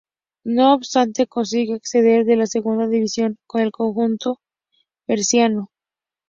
No obstante, consigue ascender a la Segunda División con el conjunto berciano.